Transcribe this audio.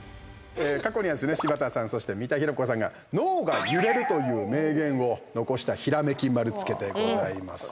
過去には柴田さんそして三田寛子さんが脳が揺れるという名言を残したひらめき丸つけでございます。